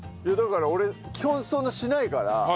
だから俺基本そんなしないから。